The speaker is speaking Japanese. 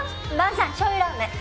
萬さんしょう油ラーメン。